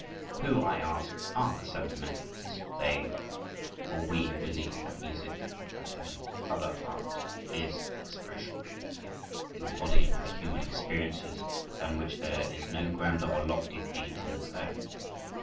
Who, I ask, are the sentimentalists—they, or we who believe that music, like every other art, is expression, the embodying of human experiences, than which there is no grander or loftier theme on this earth?